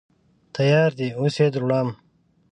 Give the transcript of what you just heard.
_تيار دی، اوس يې دروړم.